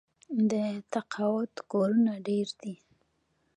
د تقاعد کورونه ډیر دي.